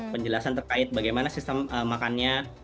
penjelasan terkait bagaimana sistem makannya